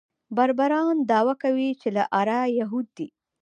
بربران دعوه کوي چې له آره یهود دي.